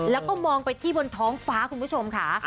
แล้วก็มองไปที่บนท้องฟ้าคุณผู้ชมค่ะ